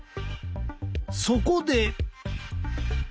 そこで！